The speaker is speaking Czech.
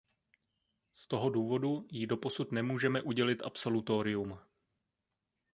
Z toho důvodu jí doposud nemůžeme udělit absolutorium.